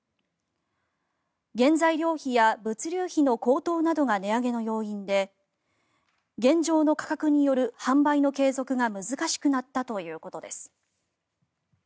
原材料費や物流費の高騰などが値上げの要因で現状の価格による販売の継続が難しくなったということです。